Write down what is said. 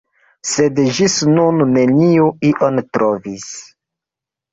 Sed ĝis nun neniu ion trovis.